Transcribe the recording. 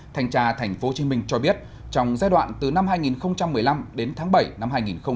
thành tra thành phố hồ chí minh cho biết trong giai đoạn từ năm hai nghìn một mươi năm đến tháng bảy năm hai nghìn một mươi sáu